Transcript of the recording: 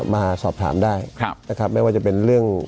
มาสอบถามได้นะครับไม่ว่าจะเป็นเรื่อง